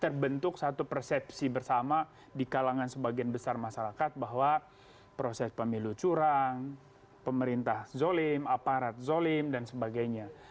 terbentuk satu persepsi bersama di kalangan sebagian besar masyarakat bahwa proses pemilu curang pemerintah zolim aparat zolim dan sebagainya